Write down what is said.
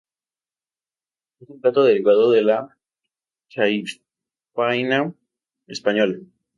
Es un plato derivado de la chanfaina española.